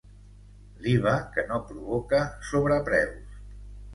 L'iva que no provoca sobrepreus.